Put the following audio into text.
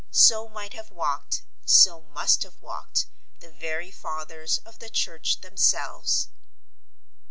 So might have walked, so must have walked, the very Fathers of the Church themselves.